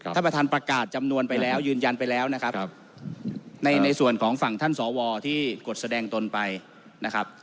ท่านประธานประกาศจำนวนไปแล้วยืนยันไปแล้วนะครับในส่วนของฝั่งท่านสวที่กดแสดงตนไปนะครับ